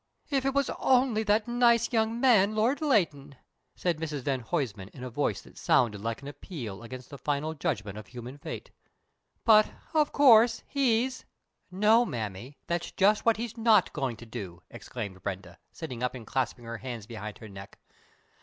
"If it was only that nice young man, Lord Leighton!" said Mrs van Huysman, in a voice that sounded like an appeal against the final judgment of human fate, "but, of course, he's " "No, Mammy, that's just what he's not going to do," exclaimed Brenda, sitting up and clasping her hands behind her neck.